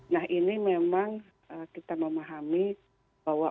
nah ini memang kita memahami bahwa